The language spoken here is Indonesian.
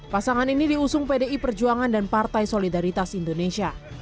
pasangan ini diusung pdi perjuangan dan partai solidaritas indonesia